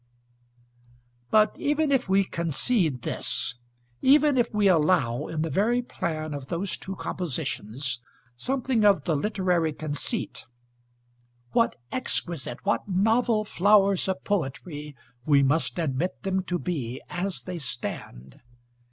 But even if we concede this; even if we allow, in the very plan of those two compositions, something of the literary conceit what exquisite, what novel flowers of poetry, we must admit them to be, as they stand!